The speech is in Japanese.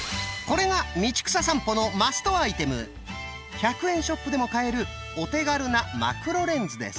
１００円ショップでも買えるお手軽なマクロレンズです。